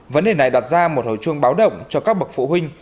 vấn đề này đặt ra một hồi chuông báo động cho các bậc phụ huynh